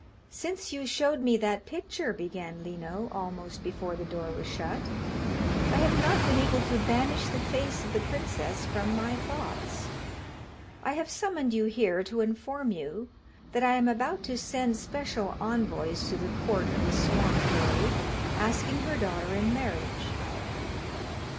'Since you showed me that picture,' began Lino, almost before the door was shut, 'I have not been able to banish the face of the princess from my thoughts. I have summoned you here to inform you that I am about to send special envoys to the court of the Swan fairy, asking her daughter in marriage.'